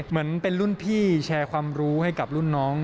เหมือนเป็นรุ่นพี่แชร์ความรู้ให้กับรุ่นน้อง